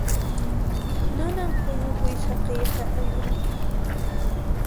Manan huñukuy saqiyqa allinchu.